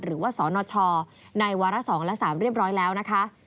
หรือว่าสนชในวาระ๒และ๓เรียบร้อยแล้วนะคะ